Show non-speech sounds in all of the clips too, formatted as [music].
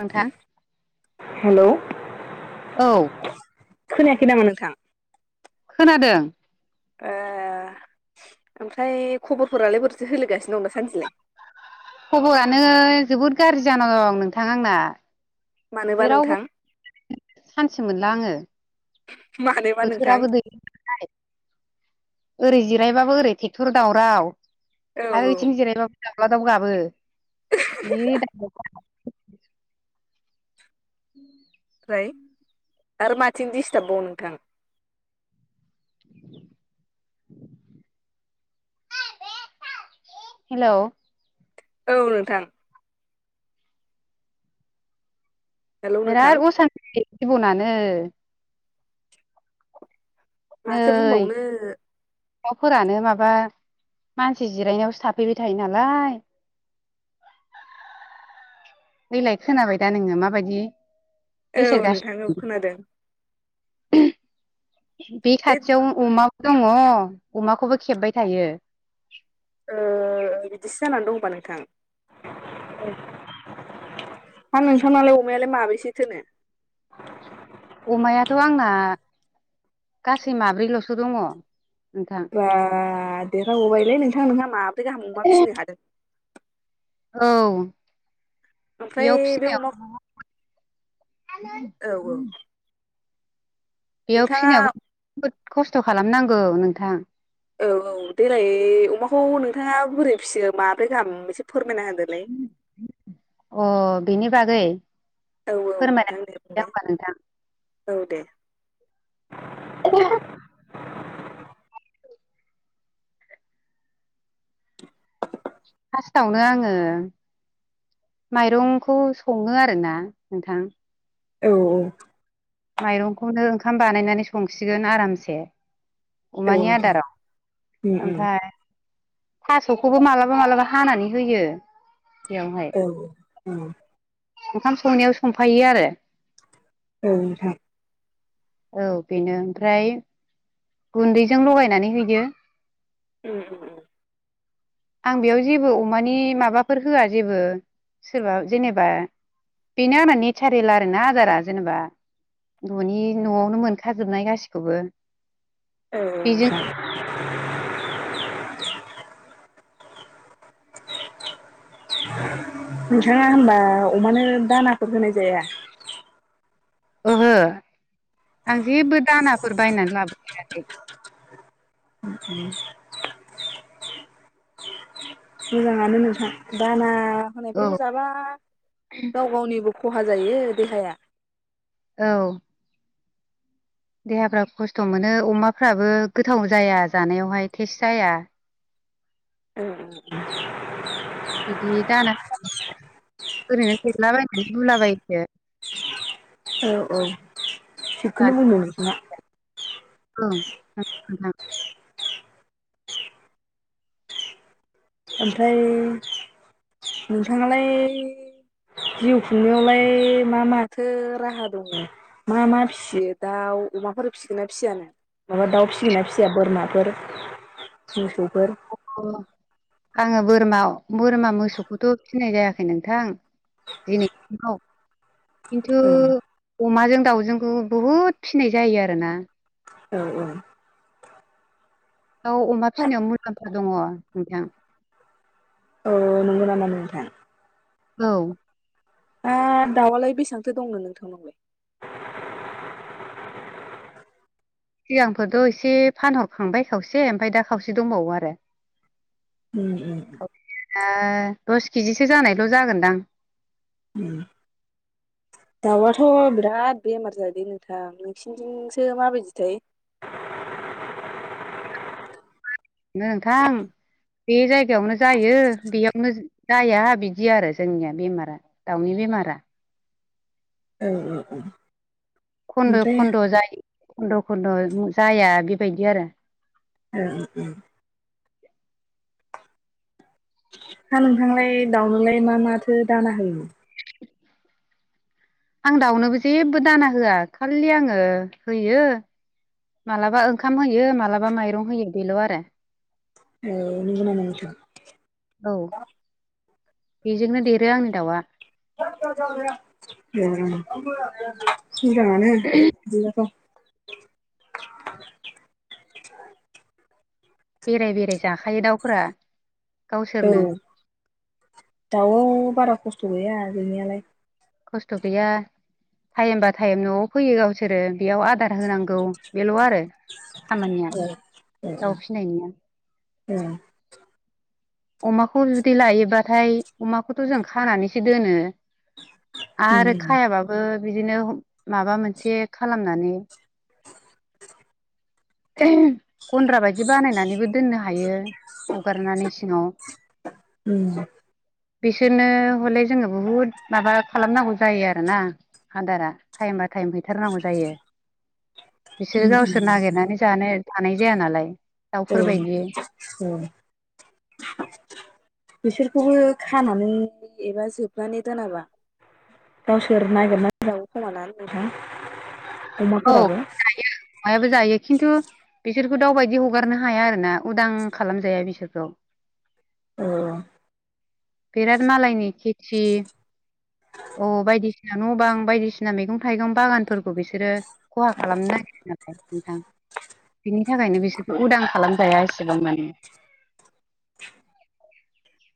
नोंथां हेलौ औ खोनयाखै नामा नोथां? खोनादों। ए ओमफ्राय खबरफोरालाय बोरैदि सोलिगासिनो दं दासानदिलाय? खबरानो जोबोद गाज्रि जाना दं नोंथां आंना। मानोबा नोंथां जेरावबो सानथि मोनला आङो। मानोबा नोंथां बोथोराबो दैलथाय ओरै जिरायबाबो ओरै टेक्टर दावराव औ आरो औ ओयथिं जिरायबाबो दावला दाव गाबो जि दावराव [inaudible] ओमफ्राय आरो माथिं डिस्टार्बबाव नोंथां? [inaudible] हेलौ औ नोंथां। हेलौ नोंथां बिराद असानथि जिबनानो। नै माथो बुंबावनो। दाउफोरानो माबा मानसि जिरायनायावसो थाफैबाय थायो नालाय। [inaudible] देलाय खोनाबाय दा नोंङो माबायदि औ नोंथां गेसेेरगासिनो औ खोनादों। बे खाथियाव अमाबो दङ अमाखौबो खेबबाय थायो। ओ बिदिसो जानानै दं ओम्बा नोंथां। औ। हा नोंथांनालाय अमायालाय माबेसे थोनो? अमायाथ' आंना गासै माब्रैल'सो दङ। बा देरहाग'बायलै नोंथां नोंहा माब्रै गाहाम अमा फिसिनो हादों। औ। ओमफ्राय बेयाव बे अमाखौ फिसिनायाव औ औ बेयाव नोंथाङा फिसिनायावबो जोबोद खस्थ' खालामनांगौ नोंथां। औ औ देलाय अमाखौ नोंथाङा बोरै फिसियो माब्रै गाहाम एसे फोरमायना होदोलाय अ बेनि बागै औ औ नोंथां दे फोरमायनानै बुंनाय होमबा नोंथां औ दे। [unintelligible] फार्स्टावनो आंङो माइरंखौ संङो आरोना नोंथां। औ औ। माइरंखौनो ओंखाम बानायनानै संसिगोन आरामसे। औ अमानि नोंथां आदाराव उम उम ओमफ्राय थास'खौबो मालाबा मालाबा हानानै होयो। बेयावहाय औऔ ओंखाम संनायाव संफायो आरो। औ नोंथां। औ बेनो ओमफ्राय गुन्दैजों लगायनानै हैदो। उ। आं बेयाव जेबो अमानि माबाफोर होआ जेबो। सोरबा जेनेबा बेनो आंना नेचारेल आरोना आदारा जेनेबा न'नि न'आवनो मोनखाजोबनाय गासिखौबो। औ बिजों नोंथां [inaudible] [inaudible] नोंथाङा होमबा अमानो दानाफोर होनाय जाया? ओहो आं जेबो दानाफोर बायनानै लाबोफेराखै। [unintelligible] मोजाङानो नोंथां दाना [unintelligible] औ होनायफोरखौ जाबा गाव गावनिबो खहा जायो देहाया। औ। देहाफ्रा खस्थ' मोनो अमाफ्राबो गोथाव जाया जानायावहाय टेस्ट जाया। [unintelligible] बिदि दाना ओरैनो हैलाबायनानै रुलाबायोसो। औ औ थिगखौनो दानि बुंदों नोंथाङा। [unintelligible] ओमफ्राय नोंथाङालाय जिउ खुंनायावलाय मा माथो राहा दङ मा मा फिसियो दाउ अमाफोर फिसिगोन ना फिसियानो माबा दाउ फिसिगोन ना फिसिया बोरमाफोर मोसौ अ आङो बोरमा बोरमा मोसौखौथ' फिसिनाय जायाखै नोंथां दिनैसिमाव खिन्थु ओं अमाजों दाउजों खौ बुहुद फिसिनाय जायो आरोना। औ औ औ अमा फिसिनायाव मुलाम्फा दङ नोंथां। औ नंगौ नामा नोंथां? औ दा दाउआलाय बेसेबांथो दंनो नोंथांनावलाय? सिगांफोरथ' एसे फानहरखांबाय खावसे ओमफ्राय दा खावसे दंबावो आरो। उम उम दा दस केजिसो जानायल' जागोनदां। ए दाउआथ' बिराद बेमार जादों नोंथां नोंसिनिथिंसो माबायदिथाय? [inaudible] नोंथां बे जायगायावनो जायो बेयावनो जाया बिदि आरो जोंनिया बेमारा दाउनि बेमार रा औ औ औ खन्द' ओमफ्राय खन्द' जायो खन्द' खन्द' जाया बेबायदि आरो ओ ओं ओं हा नोंथांलाय दाउनोलाय मा माथो दाना होयो? आं दाउनोबो जेबो दाना होआ खालि आङो होयो मालाबा ओंखाम होयो मालाबा माइरं होयो बेल' आरो। औ नंगौ नमा नोंथां? औ बेजोंनो देरो आंनि दाउआ। उम उम मोजांआनो बिनाथ'। [inaudible] बेराय बेराय जाखायो दाउफोरा औ गावसोरनो दाउआव बारा खस्थ' गैया गैनायालाय खस्थ' गैया टाइम बा टाइम न'आव फैयो गावसोरो बेयाव आदार होनांगौ बेल' आरो। खामानिया ओं दाउ फिसिनायनिया औ अमाखौ जुदि लायोब्लाथाय अमाखौथ' जों खानानैसो दोनो। आरो उम खायाबाबो बिदिनो माबा मोनसे खालामनानै [inaudible] गन्द्रा बायदि बानायनानैबो दोननो हायो हगारनानै सिङाव उम बिसोरनो हले जोङो बुहुद माबा खालामनांगौ जायो आरोना। आदारा टाइम बा टाइम हैथारनांगौ जायो। बिसोरो उम गावसोर नागिरनानै जानो थानाय जाया नालाय। औ दाउफोरबायदि औ बिसोरखौबो खानानै एबा जोबनानै दोनाबा। गावसोर नागिरनानै जायो खोमा ना नोंथां? औ अमाफोराबो जायो अमायाबो जायो खिन्थु बिसोरखौ दाउबायदि हगारनो हाया आरोना उदां खालामजाया बिसोरखौ औ जि अ बायदिसिना न' बां बायदिसिना मैगं थाइगं बागानफोरखौ बिसोरो खहा खालामनो नांदों नाथाय नोंथां बिनि थाखायनो बिसोरखौ उदां खालामजाया एसेबां माने [inaudible]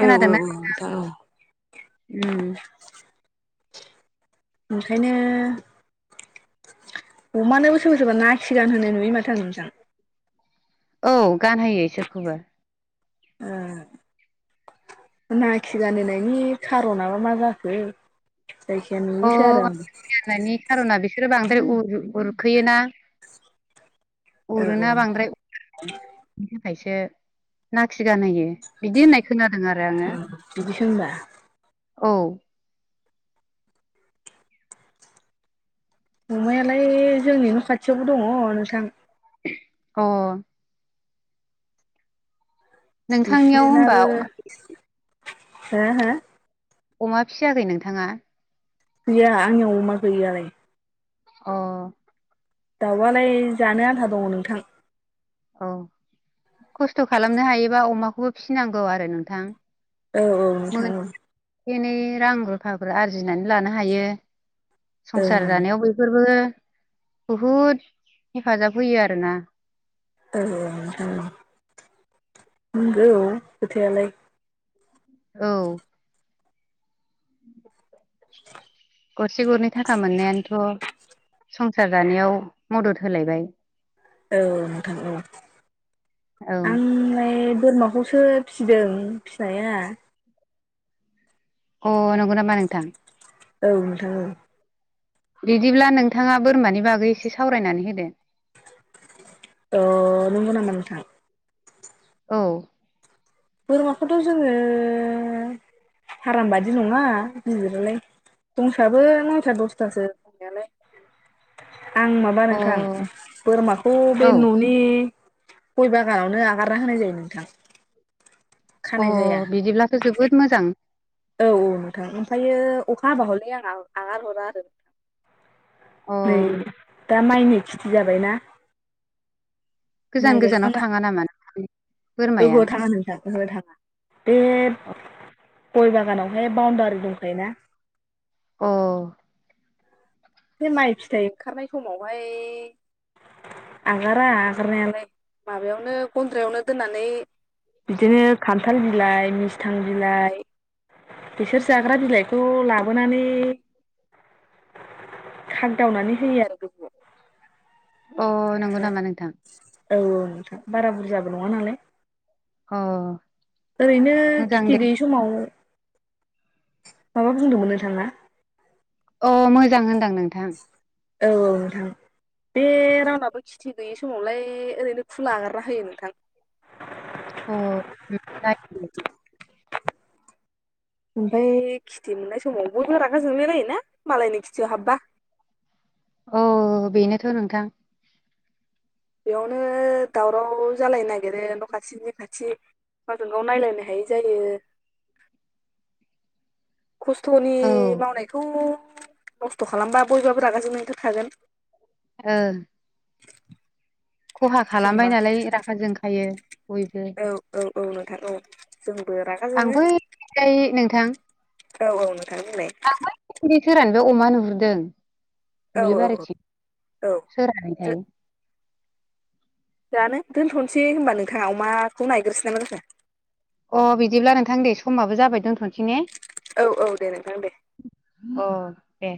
औ औ औ नोंथां औ ओं ओंखायनो, अमानोबो सोरबा-सोरबा नाखि गान होनाय नुयो माथो आं नोंथां? औ गानहोयो इसोरखौबो, नाखि गानहोनायनि खार'नाबा मा जाखो? जायखि जाया नुयोसो आं अ आरो जानायनि खार'ना बिसोरो बांद्राय उर-उरखोयोना, औ उरुना बांद्राय, ओंखायसो नाखि गानहोयो बिदि होननाय खोनायो, बिदिसो होमबा, औ अमायालाय जोंनि न' खाथियावबो दंङ नोंथां, अ' नोंथांनियाव होमबा बिसोनाबो हा हा अमा फिसियाखै नोंथांङा? गैया आंनि अमा गैयालाय, अ दाउआलाय जानो आन्था दंङ नोंथां, औ खस्थ' खालामनो हायोबा अमाखौबो फिसिनांगौ आरो नोंथां, औ औ नोंथां औ एसे एनै रां रुफाफोर आरजिनानै लानो हायो, ओं संसार ओं जानायाव बैफोरबो बुहुत हेफाजाब होयो आरो ना, [inaudible] औ नंगौ खोथायालाय, औ [inaudible] गरसे गरनै थाखा मोननायानोथ' संसार जानायाव मदद होलायबाय, औ नोंथां औ औ आंलाय बोरमाखौसो सो फिसिदों फिसिनाया, अ नंग' नामा नोंथां? औ नोंथां औ बिदिब्ला नोंथांङा बोरमानि बागै एसे सावरायनानै होदो? अ नंग' नामा नोंथां? औ बोरमाखौथ' जोंङो फाराम बादि नंङा गिदिरालाय दंसाबो न'यथा द'सथासो दंनायालाय, आं माबा अ नोंथां बोरमाखौ बे औ न'नि, ग'य बागानावनो आगारना होनाय जायो, नोंथां अ खानाय जाया बिदिब्लाथ' जोबोद मोजां, औ औ नोंथां ओमफायो अखा हाबा ह'ले आं आगार हरा आरो अ नोंथां, नै दा माइनि खेथि जाबायना, गोजान गोजानाव थांङा नामा नोंथां? लोगोहोआव थांङा नोंथां ओहो थांङा बे गय बागानावहाय बावनडारि दंखायोना। अ बे माइ फिथाइ ओंखारनाय समावहाय आगारा आगारनायालाय माबायावनो ग'न्द्रायावनो दोननानै बिदिनो खान्थाल बिलाइ, मिस्थां बिलाइ, बिसोर जाग्रा बिलाइखौ लाबोनानै खागदावनानै होयो आरो गोजौआव अ नंगौ नामा? नोंथां। औ औ नोंथां बारा बुरजाबो नङा नालाय। अ। ओरैनो मोजां खेथि दे गैयि समाव माबा बुंदोंमोन नोंथाङा? अ मोजां होनदों आं नोंथां। औ औ नोंथां। बे रावनाबो खेथि गैयि समावलाय ओरैनो खुला आगारना होयो नोंथां। अ [unintelligible] ओमफ्राय खिथि मोननाय समावबो रागा जोंलायलायोना मालायनि खिथियाव हाबबा औ बेनोथ' नोंथां बेयावनो दावराव जालायनो नागिरो न' खाथिनि खाथि गावजों गाव नायलायनो हायै जायो खस्थ'नि औ मावनायखौ खस्थ' खालामबा बयबाबो रागा जोंनायनिथ' थागोन ओ खहा खालामबाय जोंबा नालाय रागा जोंखायो बयबो औ औ औ नोंथां औ जोंबो रागा आं जोङो बैथिंजाय नोंथां औ औ नोंथां बुंलाय सोरहानिबा अमा नुहुरदों औ दुब्लि औ औ बारिथिं जों सोरहानि थाय जानो दोनथ'नोसै होनबा नोंथाङा अमाखौ नायग्रोसै ना मा जाखो अ बिदिब्ला नोंथां दे समाबो जाबाय दोनथ'सै औ औ दे नोंथां दे अ दे